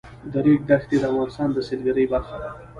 د ریګ دښتې د افغانستان د سیلګرۍ برخه ده.